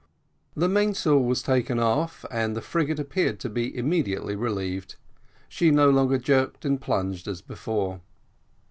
The mainsail was taken off, and the frigate appeared to be immediately relieved. She no longer jerked and plunged as before.